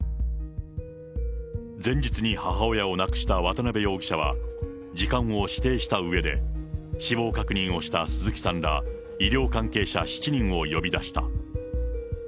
前日に母親を亡くした渡辺容疑者は、時間を指定したうえで、死亡確認をした鈴木さんら医療関係者７人を呼び出した。